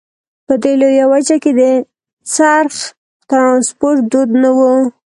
په دې لویه وچه کې د څرخ ټرانسپورت دود نه وو.